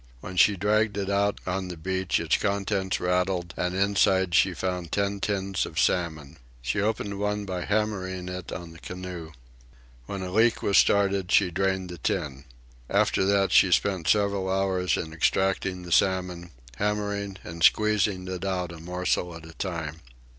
When she dragged it out on the beach its contents rattled, and inside she found ten tins of salmon. She opened one by hammering it on the canoe. When a leak was started, she drained the tin. After that she spent several hours in extracting the salmon, hammering and squeezing it out a morsel at a time.